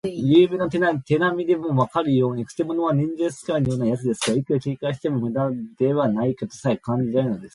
ゆうべの手なみでもわかるように、くせ者は忍術使いのようなやつですから、いくら警戒してもむだではないかとさえ感じられるのです。